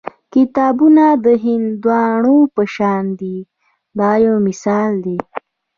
کتابونه د هیندارو په شان دي دا یو مثال دی.